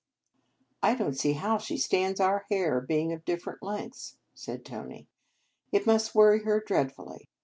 "I don t see how she stands our hair being of different lengths/ said Tony. " It must worry her dread fully.